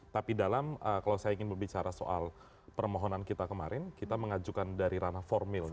tapi dalam kalau saya ingin berbicara soal permohonan kita kemarin kita mengajukan dari ranah formil